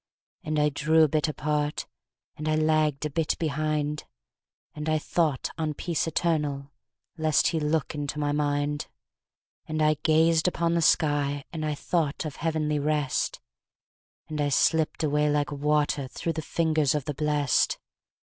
And I drew a bit apart, And I lagged a bit behind, And I thought on Peace Eternal, Lest He look into my mind: And I gazed upon the sky, And I thought of Heavenly Rest, And I slipped away like water Through the fingers of the blest!